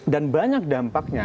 dan banyak dampaknya